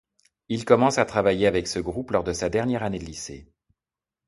Il commence à travailler avec ce groupe lors de sa dernière année de lycée.